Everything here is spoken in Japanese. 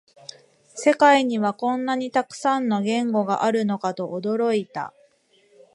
世界にはこんなにたくさんの言語があるのかと驚いた